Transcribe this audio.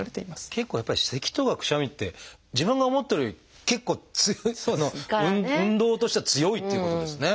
結構やっぱりせきとかくしゃみって自分が思ってるより結構強い運動としては強いっていうことですね。